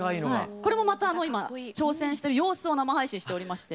これもまた今挑戦してる様子を生配信しておりまして。